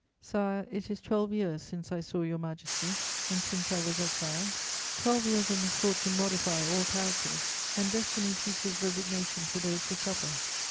Sire, it is twelve years since I saw Your Majesty and since I was exiled. Twelve years of misfortune modify all characters, and destiny teaches resignation to those who suffer.